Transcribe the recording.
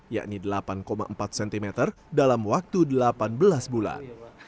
yakni delapan empat cm dalam waktu delapan belas bulan